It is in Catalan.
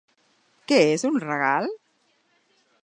Que és un regal?